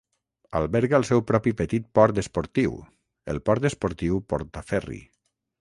Alberga el seu propi petit port esportiu, el port esportiu Portaferry.